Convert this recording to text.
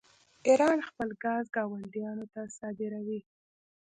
ایران خپل ګاز ګاونډیانو ته صادروي.